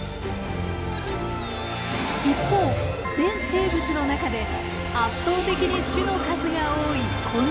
一方全生物の中で圧倒的に種の数が多い昆虫。